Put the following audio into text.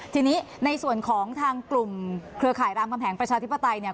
ทีนี้ในส่วนของทางกลุ่มเครือข่ายรามคำแหงประชาธิปไตยเนี่ย